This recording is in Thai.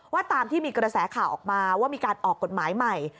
ตามที่มีกระแสข่าวออกมาว่ามีการออกกฎหมายใหม่